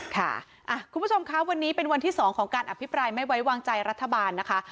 คุณผู้ชมคะวันนี้เป็นวันที่๒ของการอภิปรายไม่ไว้วางใจรัฐบาลนะคะ